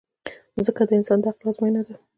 مځکه د انسان د عقل ازموینه ده.